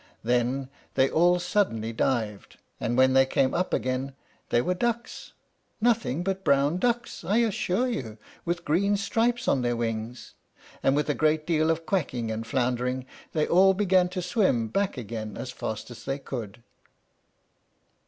Then they all suddenly dived, and when they came up again they were ducks, nothing but brown ducks, I assure you, with green stripes on their wings; and with a great deal of quacking and floundering, they all began to swim back again as fast as they could.